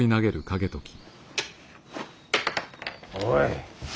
おい。